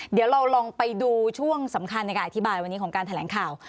เดี๋ยวเราลองไปดูช่วงสำคัญในการอธิบายวันนี้ของการแถลงข่าว